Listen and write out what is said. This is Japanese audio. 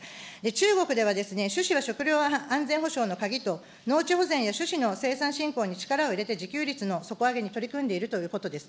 中国では、食料安全保障の鍵と、農地保全や種子の生産振興に力を入れて自給率の底上げに取り組んでいるということです。